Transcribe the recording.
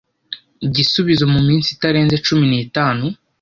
igisubizo mu minsi itarenze cumi n itanu